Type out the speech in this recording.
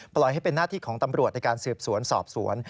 ปล่อยให้เป็นหน้าที่ของตำรวจในการสืบสวนสอบสวน